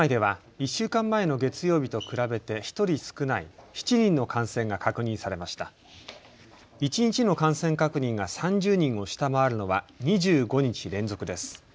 一日の感染確認が３０人を下回るのは２５日連続です。